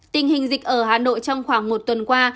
tình hình dịch ở hà nội trong khoảng một tuần qua